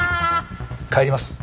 帰ります。